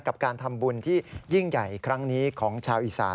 กับการทำบุญที่ยิ่งใหญ่ครั้งนี้ของชาวอีสาน